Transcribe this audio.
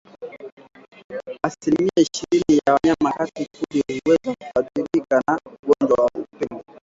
Asilimia ishirini ya wanyama katika kundi huweza kuathirika na ugonjwa wa upele